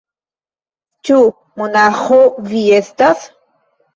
Ĉu monaĥo vi estas?